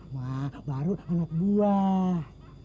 nah baru anak buah